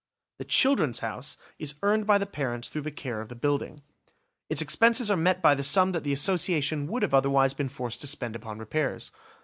The "Children's House" is earned by the parents through the care of the building. Its expenses are met by the sum that the Association would have otherwise been forced to spend upon repairs.